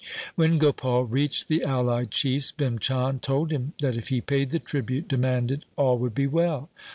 When Gopal reached the allied chiefs, Bhim Chand told him that if he paid the tribute demanded all would be well.